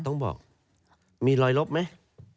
มีมีรอยลบไหม